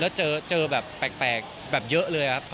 แล้วเจอแบบแปลกแบบเยอะเลยครับ